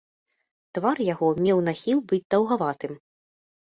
Твар яго меў нахіл быць даўгаватым.